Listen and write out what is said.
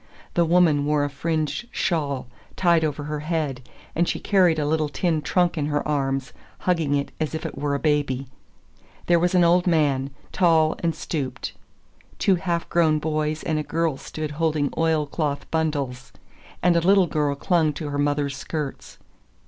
The woman wore a fringed shawl tied over her head, and she carried a little tin trunk in her arms, hugging it as if it were a baby. There was an old man, tall and stooped. Two half grown boys and a girl stood holding oil cloth bundles, and a little girl clung to her mother's skirts.